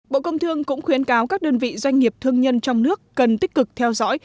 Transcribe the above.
bộ công thương cũng khuyến cáo các đơn vị doanh nghiệp thương nhân trong nước cần tích cực theo dõi